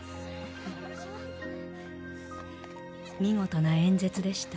見事な演説でした。